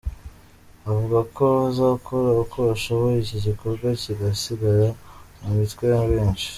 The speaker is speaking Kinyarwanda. Avuga ko bazakora uko bashoboye iki gikorwa kigasigara mu mitwe ya benshi.